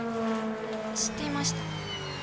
知っていました。